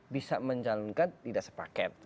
bisa mencalonkan tidak sepaket